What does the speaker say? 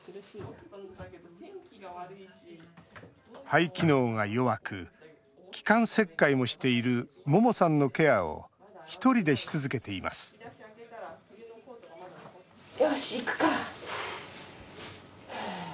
肺機能が弱く気管切開もしている桃さんのケアを１人でし続けていますよし、いくか。